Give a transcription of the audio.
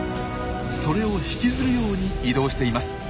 それを引きずるように移動しています。